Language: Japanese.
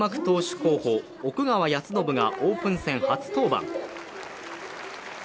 投手候補・奥川恭伸がオープン戦初登板。